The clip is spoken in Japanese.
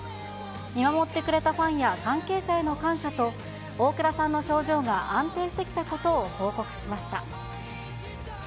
見守ってくれたファンや関係者への感謝と、大倉さんの症状が安定してきたことを報告しました。